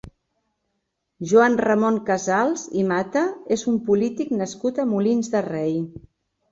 Joan Ramon Casals i Mata és un polític nascut a Molins de Rei.